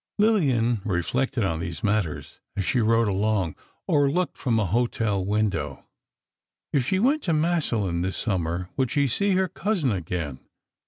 Lillian reflected on these matters as she rode along, or looked from a hotel window. If she went to Massillon this summer, would she see her cousin again?